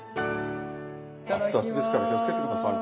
熱々ですから気をつけて下さいね。